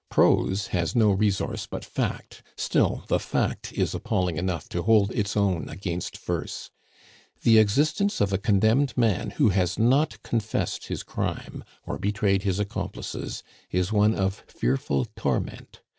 Prose has no resource but fact; still, the fact is appalling enough to hold its own against verse. The existence of a condemned man who has not confessed his crime, or betrayed his accomplices, is one of fearful torment.